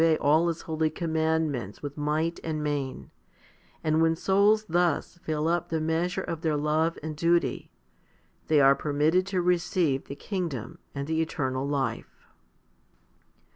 HOMILY XXIX 221 all His holy commandments with might and main; and when souls thus fill up the measure of their love and duty, they are permitted to receive the kingdom and the eternal life.